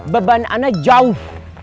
beban saya jauh